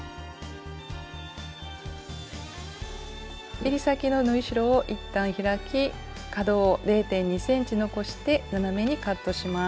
えり先の縫い代をいったん開き角を０．２ｃｍ残して斜めにカットします。